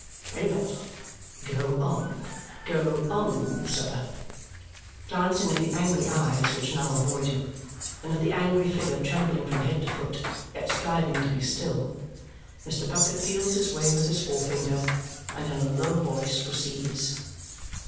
Very well. Go on. Go on, sir!" Glancing at the angry eyes which now avoid him and at the angry figure trembling from head to foot, yet striving to be still, Mr. Bucket feels his way with his forefinger and in a low voice proceeds.